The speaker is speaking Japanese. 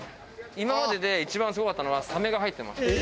今までで一番すごかったのはサメが入ってました。